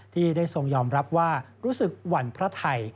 ที่ได้ทรงยอมรับว่ารู้สึกหวันพระไทย